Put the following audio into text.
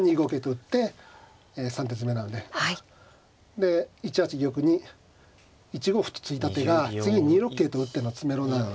で１八玉に１五歩と突いた手が次２六桂と打っての詰めろなので。